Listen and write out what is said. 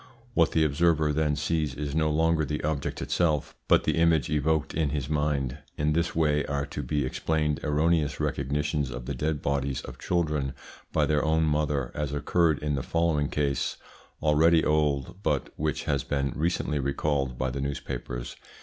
What the observer then sees is no longer the object itself, but the image evoked in his mind. In this way are to be explained erroneous recognitions of the dead bodies of children by their own mother, as occurred in the following case, already old, but which has been recently recalled by the newspapers.